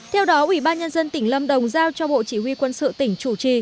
theo đó ubnd tỉnh lâm đồng giao cho bộ chỉ huy quân sự tỉnh chủ trì